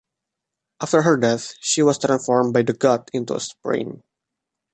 After her death she was transformed by the god into a spring.